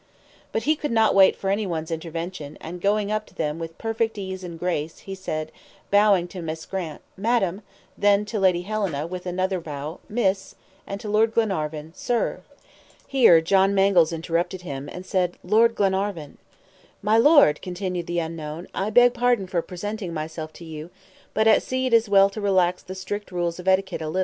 But he could not wait for any one's intervention, and going up to them with perfect ease and grace, said, bowing to Miss Grant, "Madame;" then to Lady Helena, with another bow, "Miss;" and to Lord Glenarvan, "Sir." Here John Mangles interrupted him, and said, "Lord Glenarvan." "My Lord," continued the unknown, "I beg pardon for presenting myself to you, but at sea it is well to relax the strict rules of etiquette a little.